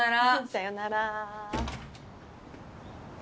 さよなら。